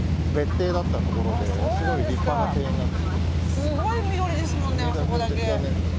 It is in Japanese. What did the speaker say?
すごい緑ですもんねあそこだけ。